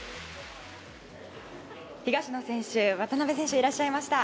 東野選手、渡辺選手いらっしゃいました。